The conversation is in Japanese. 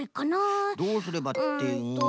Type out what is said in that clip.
どうすればってうん。